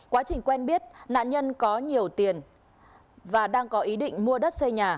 quá trình quen biết nạn nhân có nhiều tiền và đang có ý định mua đất xây nhà